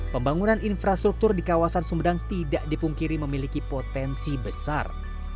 pembangunan infrastruktur di kawasan sumedang tidak dipungkiri memiliki potensi besar